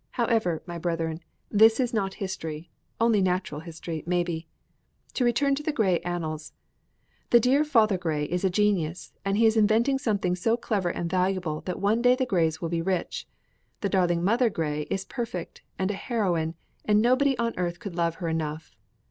However, my brethren, this is not history only natural history, maybe. To return to the Grey Annals: The dear father Grey is a genius, and he is inventing something so clever and valuable that one day the Greys will be rich. The darling mother Grey is perfect, and a heroine, and nobody on earth could love her enough.